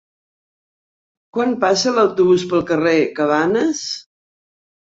Quan passa l'autobús pel carrer Cabanes?